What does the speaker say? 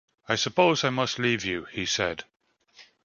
"I suppose I must leave you," he said.